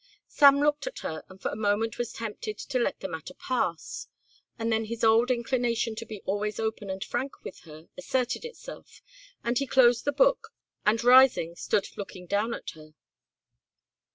Sam looked at her and for a moment was tempted to let the matter pass. And then his old inclination to be always open and frank with her asserted itself and he closed the book and rising stood looking down at her.